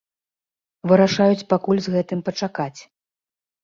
Вырашаюць пакуль з гэтым пачакаць.